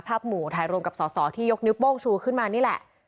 หมู่ถ่ายรวมกับสอสอที่ยกนิ้วโป้งชูขึ้นมานี่แหละ